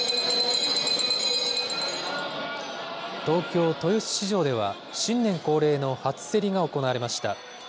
東京・豊洲市場では、新年恒例の初競りが行われました。